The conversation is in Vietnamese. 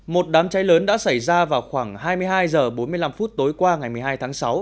một đám cháy lớn đã xảy ra vào khoảng hai mươi hai h bốn mươi năm tối qua ngày một mươi hai tháng sáu